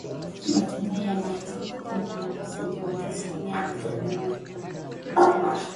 matuta yanapaswa kutengana kwa sentimita sitini hadi sabini na tano